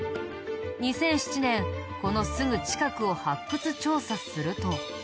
２００７年このすぐ近くを発掘調査すると。